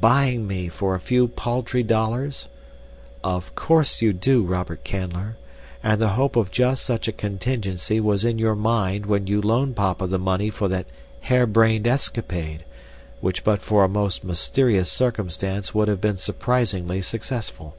"Buying me for a few paltry dollars? Of course you do, Robert Canler, and the hope of just such a contingency was in your mind when you loaned papa the money for that hair brained escapade, which but for a most mysterious circumstance would have been surprisingly successful.